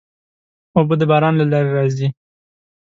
اوبه د باران له لارې راځي.